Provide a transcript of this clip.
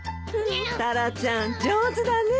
タラちゃん上手だね。